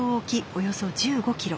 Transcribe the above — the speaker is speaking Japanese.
およそ１５キロ。